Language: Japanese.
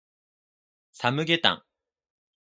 サムゲタン